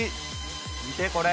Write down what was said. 見て、これ。